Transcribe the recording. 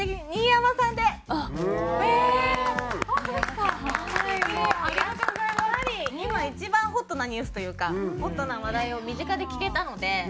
やっぱり今一番ホットなニュースというかホットな話題を身近で聞けたので。